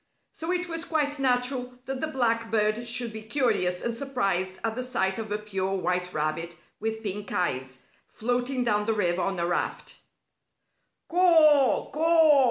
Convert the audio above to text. So it was quite natural that the black bird should be curious and surprised at the sight of a pure white rabbit, with pink eyes, floating down the river on a raft. "Caw! Caw!"